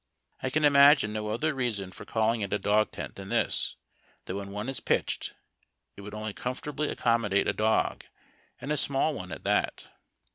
I cau imagiue uo other reason for calling it a dog tent than this, that when one is pitched it would only comfortably accommodate a dog, and a small one at that.